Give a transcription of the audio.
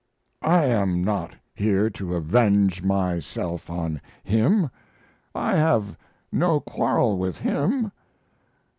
I am not here to avenge myself on him. I have no quarrel with him.